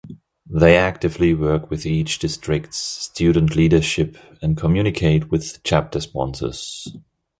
They actively work with each district's student leadership and communicate with chapter sponsors.